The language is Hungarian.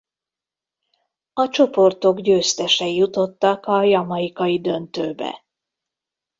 A csoportok győztesei jutottak a jamaicai döntőbe.